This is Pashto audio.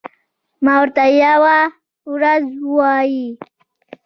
ما ورته یوه ورځ وې ـ